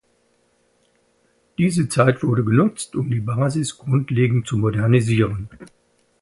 Diese Zeit wurde genutzt, um die Basis grundlegend zu modernisieren.